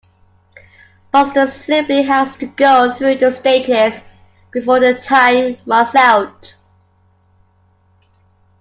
Buster simply has to go through the stages before the time runs out.